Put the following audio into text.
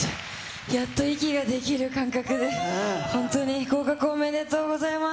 やっと息ができる感覚で、本当に合格おめでとうございます。